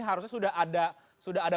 harusnya sudah ada program